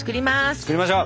作りましょう。